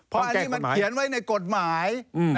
เพราะอันนี้มันเขียนไว้ในกฎหมาย